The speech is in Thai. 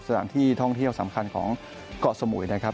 สถานที่ท่องเที่ยวสำคัญของเกาะสมุยนะครับ